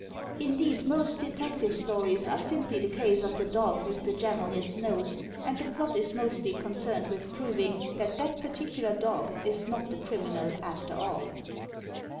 Indeed, most detective stories are simply the case of the dog with the jam on his nose and the plot is mostly concerned with proving that that particular dog is not the criminal after all.